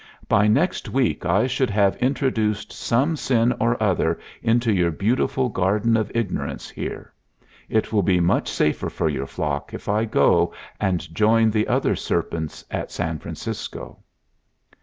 "By next week I should have introduced some sin or other into your beautiful Garden of Ignorance here. It will be much safer for your flock if I go and join the other serpents at San Francisco."